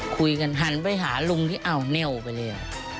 คุยกันหันไปหาลุงที่เอาเน่วไปเลยอะ